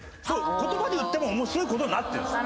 言葉で言っても面白い事になってるんですよ。